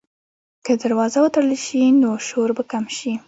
که دروازه وتړل شي، نو شور به کم شي.